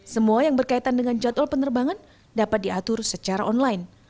semua yang berkaitan dengan jadwal penerbangan dapat diatur secara online